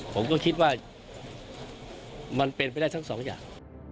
ผมก็คิดว่ามันเป็นไปได้ทั้งสองอย่าง